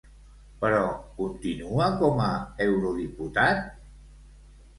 Però continua com a eurodiputat?